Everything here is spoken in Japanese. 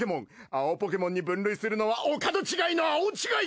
青ポケモンに分類するのはお門違いの青違い！